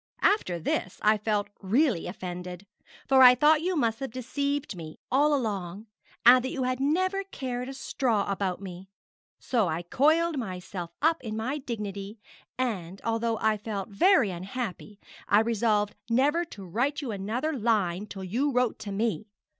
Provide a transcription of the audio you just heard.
After this I felt really offended; for I thought you must have deceived me all along, and that you had never cared a straw about me; so I coiled myself up in my dignity, and, although I felt very unhappy, I resolved never to write you another line till you wrote to me.